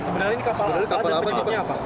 sebenarnya ini kapal apa